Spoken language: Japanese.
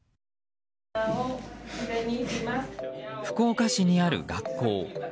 福岡市にある学校。